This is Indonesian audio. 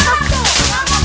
ini kita lihat